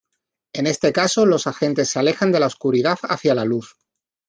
En este caso, los agentes se alejan de la oscuridad hacia la luz.